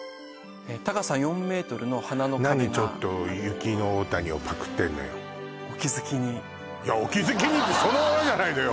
高さ４ｍの花の壁が何ちょっと雪の大谷をパクってんのよお気づきにいやお気づきにってそのままじゃないのよ